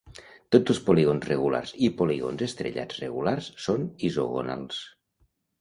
Tots els polígons regulars i polígons estrellats regulars són isogonals.